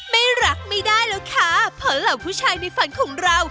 ไม่รักไม่ได้แล้วค่ะเพราะเหล่าผู้ชายในฝันของเรา